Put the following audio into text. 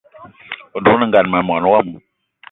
Adugna ma mwaní wama